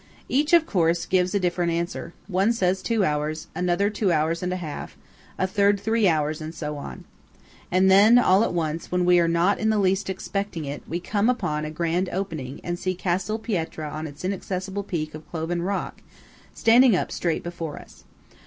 Each, of course, gives a different answer. One says two hours; another two hours and a half; a third three hours; and so on. And then all at once, when we are not in the least expecting it, we come upon a grand opening and see Castel Pietra on its inaccessible peak of cloven rock standing up straight before us.